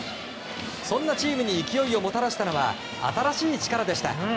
そんなチームに勢いをもたらしたのは新しい力でした。